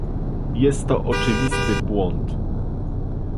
Jest to oczywisty błąd